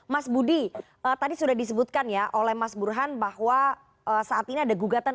mas budi tadi sudah disebutkan ya oleh mas burhan bahwa saat ini ada gugatan